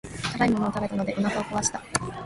辛いものを食べたのでお腹を壊した。